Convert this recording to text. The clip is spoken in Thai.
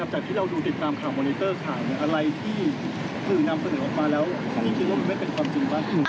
จากที่เราดูติดตามข่าวมอนิเตอร์ข่าวอะไรที่สื่อนำเสนอออกมาแล้วพี่คิดว่ามันไม่เป็นความจริงมากที่สุด